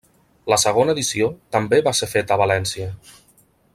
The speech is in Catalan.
La segona edició també va ser feta a València.